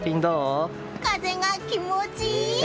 風が気持ちいい！